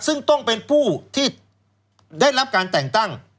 ซึ่งต้องเป็นผู้ที่ได้รับการแต่งตั้ง